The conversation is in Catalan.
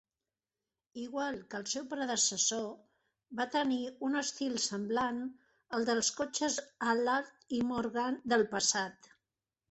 Igual que el seu predecessor, va tenir un estil semblant al dels cotxes Allard i Morgan del passat.